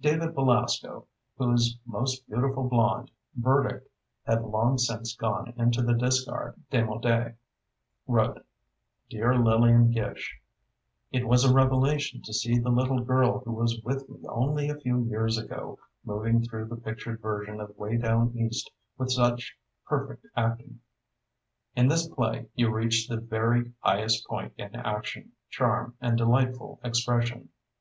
David Belasco, whose "most beautiful blonde" verdict had long since gone into the discard, démodé, wrote: Dear Lillian Gish, It was a revelation to see the little girl who was with me only a few years ago, moving through the pictured version of "Way Down East" with such perfect acting. In this play, you reach the very highest point in action, charm and delightful expression.